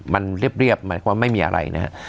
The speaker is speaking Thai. มันเรียบหมายความว่าไม่มีอะไรนะครับ